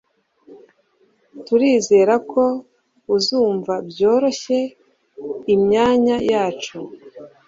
Turizera ko uzumva byoroshye imyanya yacu